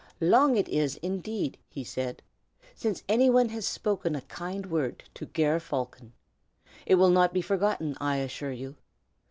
"Long is it, indeed," he said, "since any one has spoken a kind word to Ger Falcon. It will not be forgotten, I assure you.